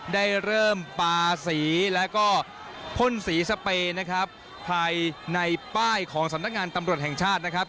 ได้เริ่มปลาสีแล้วก็พ่นสีสเปย์นะครับภายในป้ายของสำนักงานตำรวจแห่งชาตินะครับ